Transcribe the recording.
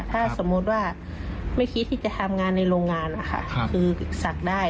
ถ้าสมมุติว่าไม่คิดที่จะทำงานในโรงงานนะคะคือศักดิ์ได้